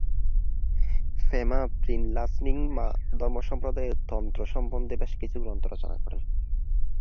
পে-মা-'ফ্রিন-লাস র্ন্যিং-মা ধর্মসম্প্রদায়ের তন্ত্র সম্বন্ধে বেশ কিছু গ্রন্থ রচনা করেন।